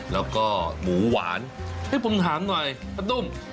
แล้วก็หมูหวานให้ผมถามหน่อยข้าวต้ม